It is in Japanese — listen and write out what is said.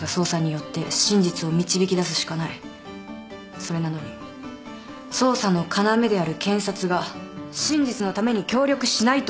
それなのに捜査の要である検察が真実のために協力しないと。